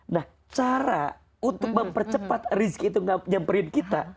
nah cara untuk mempercepat rizki itu nyamperin kita